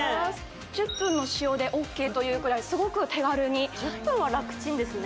１０分の使用でＯＫというくらいすごく手軽に１０分はラクチンですね・